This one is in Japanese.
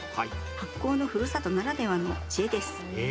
発酵のふるさとならではの知恵です。